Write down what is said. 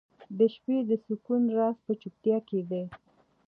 • د شپې د سکون راز په چوپتیا کې دی.